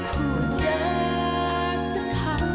พูดเยอะสักครั้ง